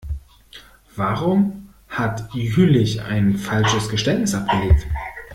Warum hat Jüllich ein falsches Geständnis abgelegt?